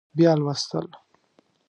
بیا لوستل